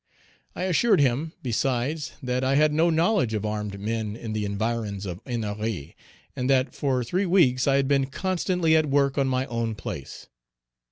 I assured him, besides, that I had no knowledge of armed men in the environs of Ennery, and that for three weeks I had been constantly at work on my own place.